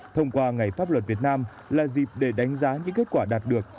thông qua ngày pháp luật việt nam là dịp để đánh giá những kết quả đạt được